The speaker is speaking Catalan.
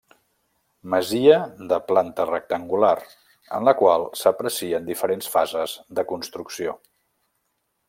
Masia de planta rectangular, en la qual s'aprecien diferents fases de construcció.